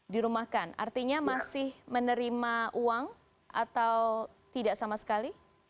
dirumahkan artinya masih menerima uang atau tidak sama sekali